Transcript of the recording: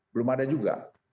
belum ada juga